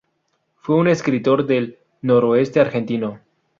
Fue un escritor del Noroeste argentino.